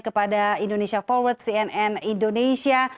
kepada indonesia forward cnn indonesia